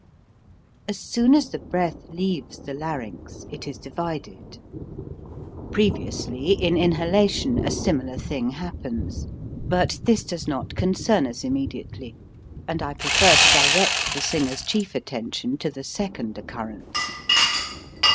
As soon as the breath leaves the larynx, it is divided. (Previously, in inhalation, a similar thing happens; but this does not concern us immediately, and I prefer to direct the singer's chief attention to the second oc currence.)